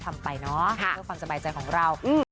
ครับค่ะ